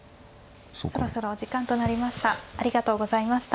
そろそろお時間となりました。